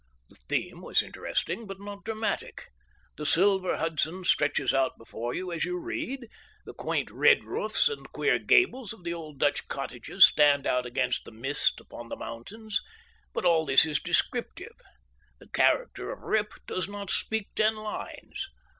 The theme was interesting, but not dramatic. The silver Hudson stretches out before you as you read, the quaint red roofs and queer gables of the old Dutch cottages stand out against the mist upon the mountains; but all this is descriptive. The character of Rip does not speak ten lines.